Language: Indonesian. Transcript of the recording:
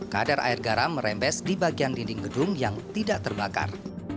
kadar air garam merembes di bagian dinding gedung yang tidak terbakar